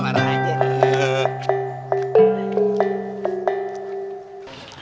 marah aja tuh